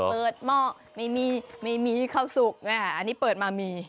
เปิดหมอกไม่มีเข้าซุกนี่อันนี้เปิดมามี